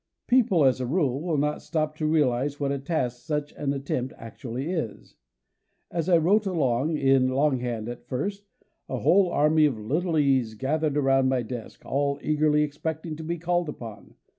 People, as a rule, will not stop to realize what a task such an attempt actually is. As I wrote along, in long hand at first, a whole army of little E's gathered around my desk, all eagerly expecting to be called upon.